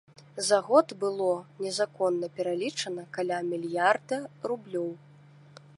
За год было незаконна пералічана каля мільярда рублёў.